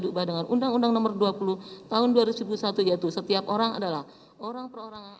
diubah dengan undang undang nomor dua puluh tahun dua ribu satu yaitu setiap orang adalah orang perorangan